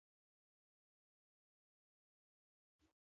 حیوانات د پاڼو په لټه کې دي.